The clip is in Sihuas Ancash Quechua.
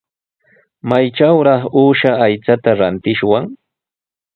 ¿Maytrawraq uusha aychata rantishwan?